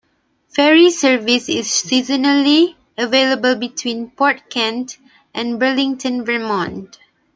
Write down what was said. Ferry service is seasonally available between Port Kent and Burlington, Vermont.